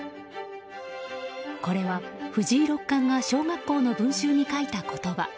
これは藤井六冠が小学校の文集に書いた言葉。